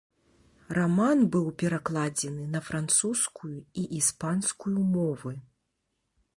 Раман быў перакладзены на французскую і іспанскую мовы.